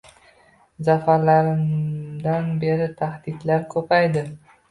Zafarlarimdan beri taxdidlar ko‘paydi.